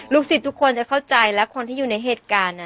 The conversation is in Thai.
ศิษย์ทุกคนจะเข้าใจและคนที่อยู่ในเหตุการณ์